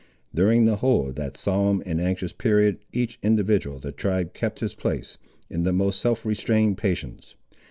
During the whole of that solemn and anxious period each individual of the tribe kept his place, in the most self restrained patience.